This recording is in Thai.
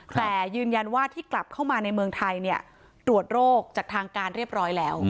แต่ยืนยันว่าที่กลับเข้ามาในเมืองไทยตรวจโรคจากทางการเรียบร้อยแล้ว